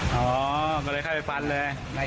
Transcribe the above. อ๋อก็เลยเข้าไปฟันเลย